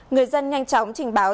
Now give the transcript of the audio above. người dân nhanh chóng trình báo